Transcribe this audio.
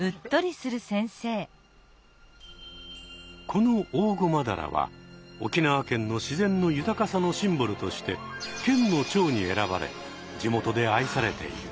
このオオゴマダラは沖縄県の自然の豊かさのシンボルとして「県の蝶」に選ばれ地元で愛されている。